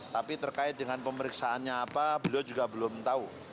tapi terkait dengan pemeriksaannya apa beliau juga belum tahu